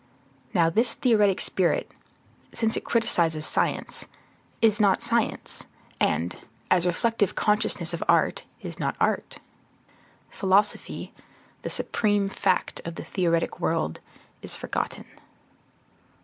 Now this theoretic spirit, since it criticizes science, is not science, and, as reflective consciousness of art, is not art. Philosophy, the supreme fact of the theoretic world, is forgotten.